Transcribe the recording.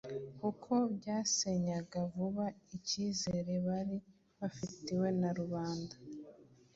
kuko byasenyaga vuba icyizere bari bafitiwe na rubanda.